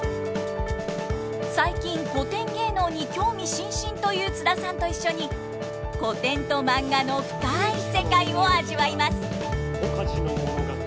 最近古典芸能に興味津々という津田さんと一緒に古典とマンガの深い世界を味わいます。